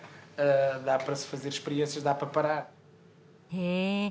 へえ。